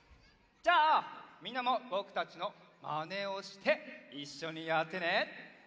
じゃあみんなもぼくたちのまねをしていっしょにやってね！